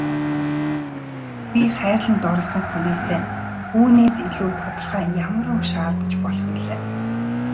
Би хайрлан дурласан хүнээсээ үүнээс илүү тодорхой ямар үг шаардаж болох билээ.